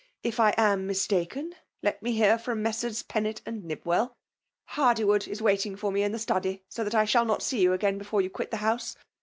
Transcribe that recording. If I am mistaken, let me hear from Messrs. Pennett and NibwelL Hardywoodis waiting for me in the study, so that I shall not see you again be* fore you quit the house.